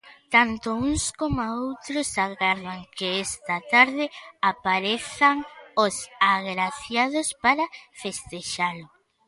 Tanto uns coma outros agardan que esta tarde aparezan os agraciados para festexalo.